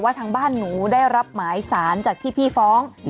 ทางบ้านหนูได้รับหมายสารจากที่พี่ฟ้อง